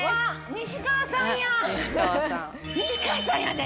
西川さんやで！